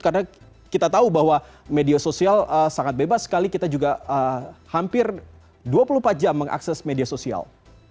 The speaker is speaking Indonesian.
karena kita tahu bahwa media sosial sangat bebas sekali kita juga hampir dua puluh empat jam mengakses media sosial